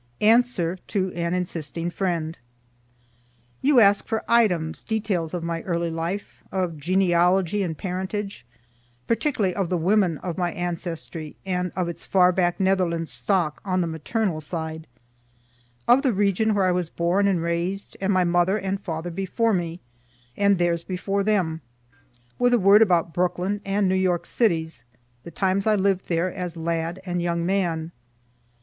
ANSWER TO AN INSISTING FRIEND You ask for items, details of my early life of genealogy and parentage, particularly of the women of my ancestry, and of its far back Netherlands stock on the maternal side of the region where I was born and raised, and my mother and father before me, and theirs before them with a word about Brooklyn and New York cities, the times I lived there as lad and young man.